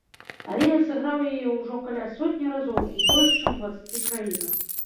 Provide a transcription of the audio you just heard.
Але я сыграў яе ўжо каля сотні разоў у больш чым дваццаці краінах.